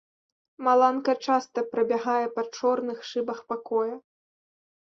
Маланка часта прабягае па чорных шыбах пакоя.